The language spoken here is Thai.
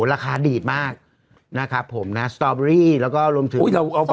ราคาดีดมากนะครับผมนะสตอร์เบอรี่แล้วก็รวมถึงอุ้ยเราเอา